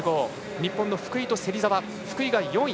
日本の福井と芹澤福井香澄が４位。